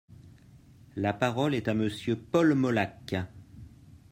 La parole est à Monsieur Paul Molac.